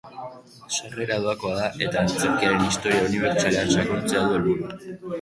Sarrera doakoa da eta antzerkiaren historia unibertsalean sakontzea du helburu.